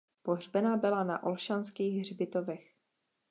Pohřbena byla na Olšanských hřbitovech.